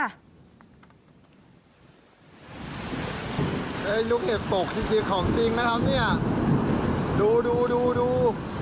ลูกเห็บตกจริงจริงของจริงนะครับเนี่ยดูดูดูดู